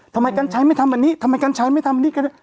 ทำไมกันใช้ไม่ทำอันนี้ทำไมกันใช้ไม่ทำอันนี้